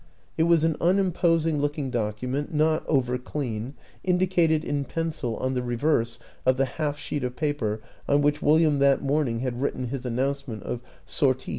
It was an unimposing looking docu ment, not over clean, indicated in pencil on the reverse of the half sheet of paper on which Wil liam that morning had written his announcement of " Sorti."